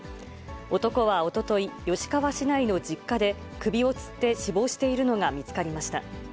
男はおととい、吉川市内の実家で首をつって死亡しているのが見つかりました。